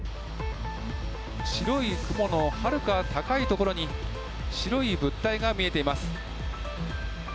白い雲のはるか高い所に、白い物体が見えています。